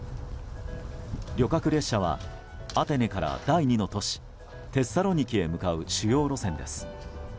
旅客列車はアテネから第２の都市テッサロニキへ向かう主要路線です。